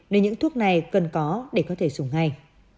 nên những thuốc này cần có để có thể dùng ngay